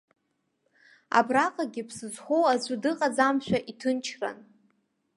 Абраҟагьы ԥсы зхоу аӡәы дыҟаӡамшәа иҭынчран.